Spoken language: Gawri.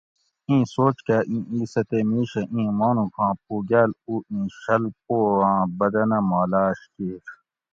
ایں سوچ کاۤ ایں ایسہ تے میشہ ایں مانوچاں پوگال او ایں شُل پواۤں بدنہ مالۤاش کیر